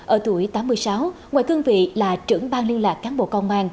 ở tuổi tám mươi sáu ngoài cương vị là trưởng bang liên lạc cán bộ công an